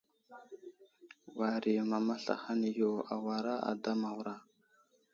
War i mama slahaŋ yo awara ada Mawra.